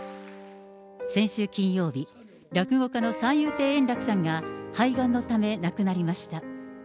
先週金曜日、落語家の三遊亭円楽さんが肺がんのため亡くなりました。